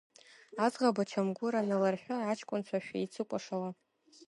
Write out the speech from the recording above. Аӡӷаб ачамгәыр аналырҳәо аҷкәынцәа шәеицыкәашала.